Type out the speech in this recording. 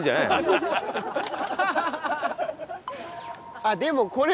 あっでもこれ。